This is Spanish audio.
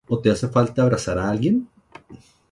o te hace falta abrazar a alguien